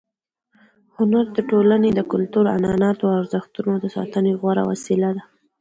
هنر د ټولنې د کلتور، عنعناتو او ارزښتونو د ساتنې غوره وسیله ده.